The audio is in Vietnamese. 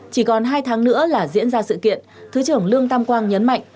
chỉ còn hai tháng nữa là diễn ra sự kiện thứ trưởng lương tam quang nhấn mạnh